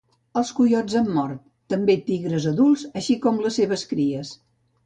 Els coiots han mort, també tigres adults, així com les seves cries